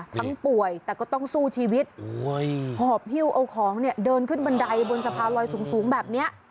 ทั้งป่วยแต่ก็ต้องสู้ชีวิตโอ้ยพอพิวเอาของเนี้ยเดินขึ้นบันไดบนสะพานลอยสูงสูงแบบเนี้ย